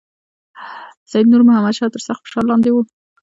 سید نور محمد شاه تر سخت فشار لاندې وو.